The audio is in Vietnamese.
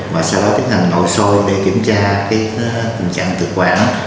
và sau đó tiến hành nội soi để kiểm tra tình trạng thực quản